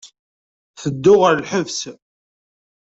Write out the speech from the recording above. Tedduɣ ɣer lḥebs.